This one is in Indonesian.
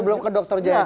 sebelum ke dokter jadi